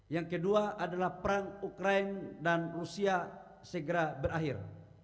yang kedua adalah perang ukraine dan rusia segera berakhir